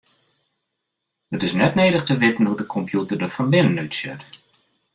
It is net nedich te witten hoe't in kompjûter der fan binnen útsjocht.